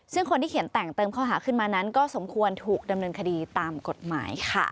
ซึ่งคนที่เขียนแต่งเติมข้อหาขึ้นมานั้นก็สมควรถูกดำเนินคดีตามกฎหมายค่ะ